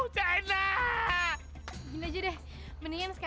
tapi kita harus merasakan kebolehnya walaupun sama